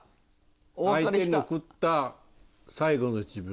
相手に送った最後の一文。